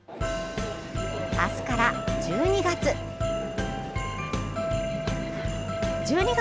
あすから１２月！